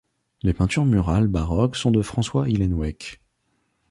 Les peintures murales baroques sont de François Hillenweck.